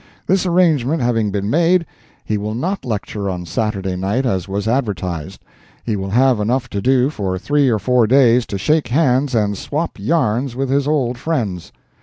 This arrangement having been made, he will not lecture on Saturday night as was advertised—he will have enough to do for three or four days to shake hands and swap yarns with his old friends.